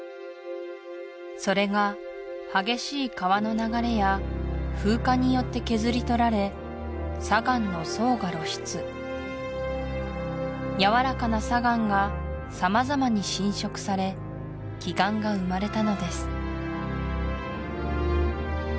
それが激しい川の流れや風化によって削り取られ砂岩の層が露出やわらかな砂岩が様々に浸食され奇岩が生まれたのです